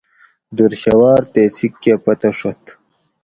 دُر شھوار تے سیکھ کہ پھتہ ڛت